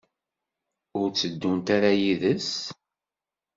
Ur tteddunt ara yid-s?